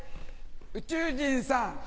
宇宙人さん